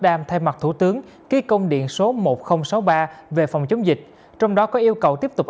đam thay mặt thủ tướng ký công điện số một nghìn sáu mươi ba về phòng chống dịch trong đó có yêu cầu tiếp tục